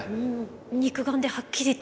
肉眼ではっきりと。